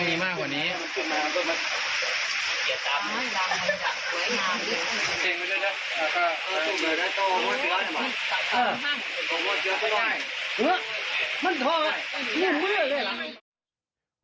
มีมากกว่านี้